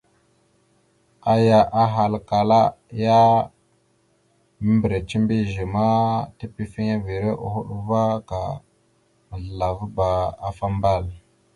Aya ahalkala ya: « Membireca mbiyez ma, tepefiŋirava hoɗ ava ka mazləlavaba afa ambal a. ».